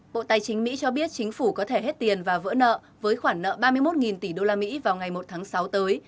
bộ tài chính mỹ cho biết chính phủ có thể hết tiền và vỡ nợ với khoản nợ ba mươi một tỷ usd vào ngày một tháng sáu tới